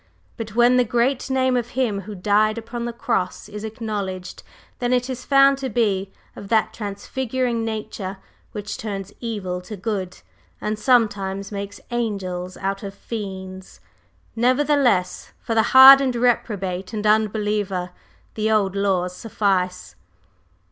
But when the great Name of Him who died upon the Cross is acknowledged, then it is found to be of that transfiguring nature which turns evil to good, and sometimes makes angels out of fiends. Nevertheless, for the hardened reprobate and unbeliever the old laws suffice."